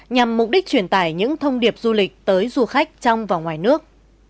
nhằm mục đích truyền tải những thông điệp du lịch tới du khách trong và ngoài nước